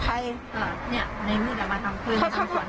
อ่าเนี่ยในมือแต่มาทำเคยมาทำสวนให้กับ